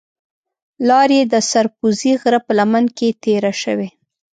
لار یې د سر پوزې غره په لمن کې تېره شوې.